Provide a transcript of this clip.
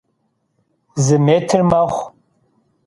Zı mêtr mexhu.